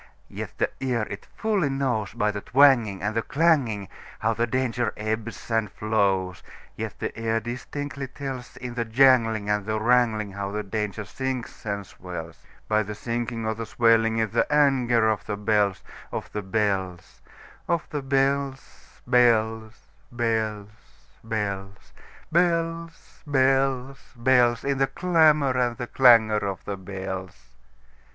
Yet the ear it fully knows, By the twangingAnd the clanging, How the danger ebbs and flows; Yet the ear distinctly tells, In the janglingAnd the wrangling, How the danger sinks and swells,—By the sinking or the swelling in the anger of the bells, Of the bells, Of the bells, bells, bells, bells, Bells, bells, bells—In the clamor and the clangor of the bells!